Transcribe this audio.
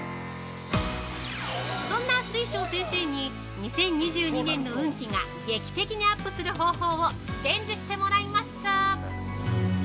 そんな水晶先生に、２０２２年の運気が、劇的にアップする方法を伝授してもらいます。